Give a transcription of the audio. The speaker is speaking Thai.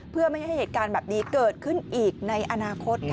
เพื่อไม่ให้เหตุการณ์แบบนี้เกิดขึ้นอีกในอนาคต